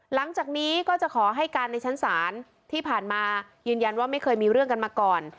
หลังจากนี้ก็จะขอให้การในชั้นศาลที่ผ่านมายืนยันว่าไม่เคยมีเรื่องกันมาก่อน